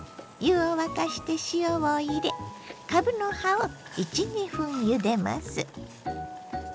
湯を沸かして塩を入れかぶの葉を１２分ゆでます。